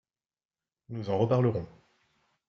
Nous en reparlerons.